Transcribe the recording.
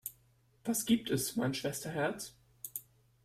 Was gibt es, mein Schwesterherz?